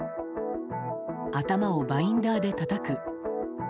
頭をバインダーでたたく。